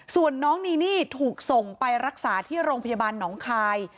ส่วนน้องนีนี่ถูกส่งไปรักษาที่โรงพยาบาลหนองคาย